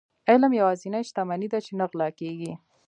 علم يوازنی شتمني ده چي نه غلا کيږي.